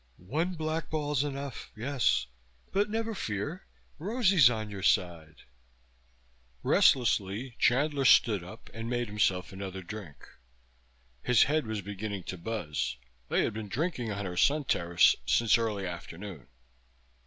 "One blackball's enough, yes, but never fear. Rosie's on your side." Restlessly Chandler stood up and made himself another drink. His head was beginning to buzz. They had been drinking on her sun terrace since early afternoon.